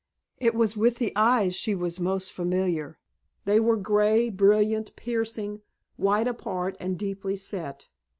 It was with the eyes she was most familiar. They were gray, brilliant, piercing, wide apart and deeply set.